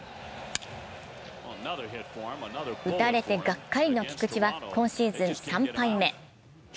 打たれてがっかりの菊池は今シーズン３敗目。